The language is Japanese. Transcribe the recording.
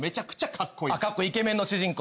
かっこいいイケメンの主人公。